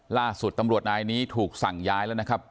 ล่าสุดตำรวจนายนี้ถูกสั่งย้ายแล้วนะครับ